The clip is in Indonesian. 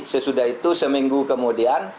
sesudah itu seminggu kemudian